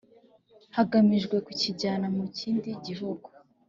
Hagamijwe Kukijyana Mu Kindi Gihugu